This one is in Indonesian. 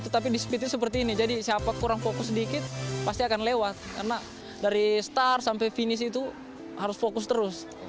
tetapi di speednya seperti ini jadi siapa kurang fokus sedikit pasti akan lewat karena dari star sampai finish itu harus fokus terus